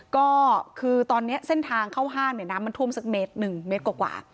ก็คือตอนนี้เส้นทางเข้าห้างเนี่ยน้ำมันท่วมสักเมตรหนึ่งเมตรกว่า